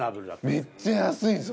めっちゃ安いんすよ。